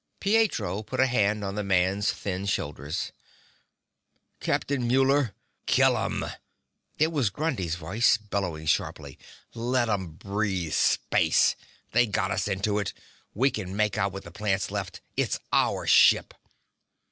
Pietro put a hand on the man's thin shoulders, "Captain Muller " "Kill 'em!" It was Grundy's voice, bellowing sharply. "Let'em breathe space! They got us into it! We can make out with the plants left! It's our ship!"